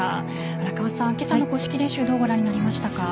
荒川さん、今朝の公式練習どうご覧になりましたか？